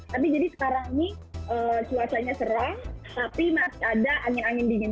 tapi jadi sekarang ini cuacanya serang tapi masih ada angin angin dingin